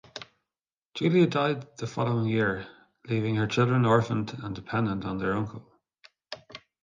Julia died the following year, leaving her children orphaned and dependent on their uncle.